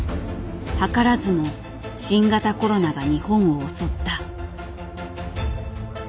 図らずも新型コロナが日本を襲った。